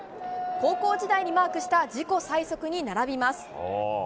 高校時代にマークした自己最速に並びます。